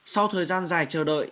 sau thời gian dài chờ đợi